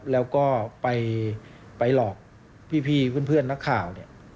แล้วก็ไปหลอกพี่เพื่อนนักข่าวเนี่ย